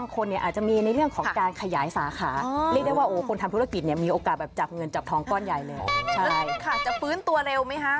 เขาจะทำอะไรเราไม่ได้